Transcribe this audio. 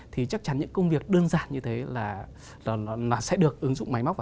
thì chắc chắn những công việc đơn giản như thế là sẽ được ứng dụng máy móc